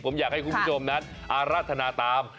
ผมอยากให้คุณผู้ชมนั้นอารัฐนาตาม